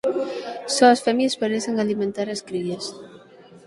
Só as femias parecen alimentar as crías.